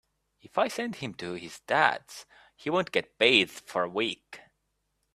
If I send him to his Dad’s he won’t get bathed for a week.